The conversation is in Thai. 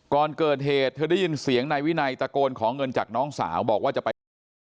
ก่อนเกิดเหตุเธอได้ยินเสียงนายวินัยตะโกนขอเงินจากน้องสาวบอกว่าจะไปเอาเงิน